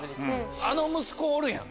あの息子おるやん。